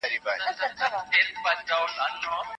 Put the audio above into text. حکومتي چاري بايد د قانون په رڼا کي پرمخ ولاړي سي.